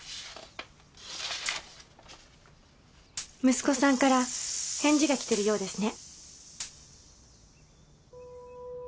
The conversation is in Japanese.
息子さんから返事がきてるようですね。